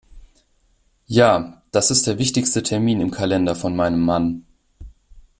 Ja, das ist der wichtigste Termin im Kalender von meinem Mann.